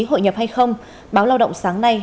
hội nhập hay không báo lao động sáng nay